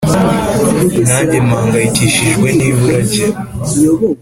nange mpangayikishijwe nibura rye."